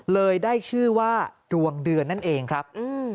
เลยได้ชื่อว่าดวงเดือนนั่นเองครับ